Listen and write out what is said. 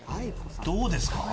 どうですか？